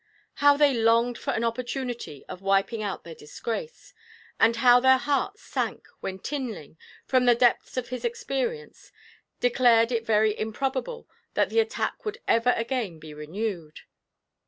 How they longed for an opportunity of wiping out their disgrace, and how their hearts sank when Tinling, from the depths of his experience, declared it very improbable that the attack would ever again be renewed.